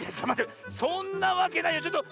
そんなわけないよちょっと！